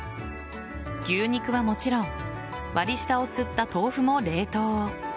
牛肉はもちろん割り下を吸った豆腐も冷凍。